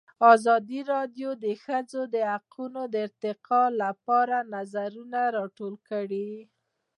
ازادي راډیو د د ښځو حقونه د ارتقا لپاره نظرونه راټول کړي.